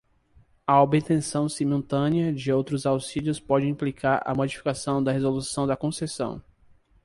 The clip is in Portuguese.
A obtenção simultânea de outros auxílios pode implicar a modificação da resolução da concessão.